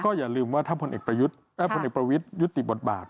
ก็อย่าลืมว่าถ้าพลเอกประยุทธยุติบทบาท